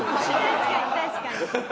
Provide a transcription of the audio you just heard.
確かに確かに。